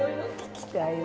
聞きたいわ。